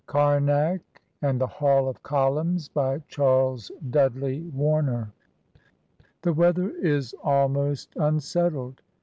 KARNAK AND THE HALL OF COLUMNS BY CHARLES DUDLEY WARNER The weather is almost unsettled.